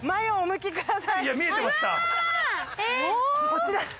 こちら。